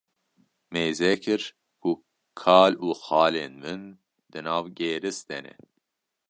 mêze kir ku kal û xalên min di nav gêris de ne